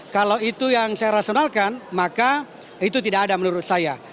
kalau itu yang saya rasionalkan maka itu tidak ada menurut saya